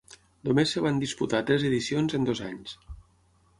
Només es van disputar tres edicions en dos anys.